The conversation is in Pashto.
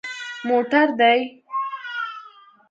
_موټر دي؟